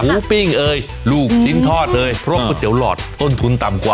ปิ้งเอ่ยลูกชิ้นทอดเลยเพราะก๋วยเตี๋หลอดต้นทุนต่ำกว่า